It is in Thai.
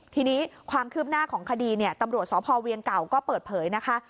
ทีนี้ความคืบหน้าของคดีเนี่ยตำรวจสพเวียงเก่าก็เปิดเผยนะคะ